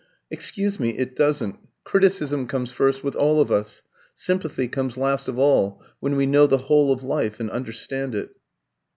"Excuse me, it doesn't. Criticism comes first with all of us. Sympathy comes last of all when we know the whole of life, and understand it."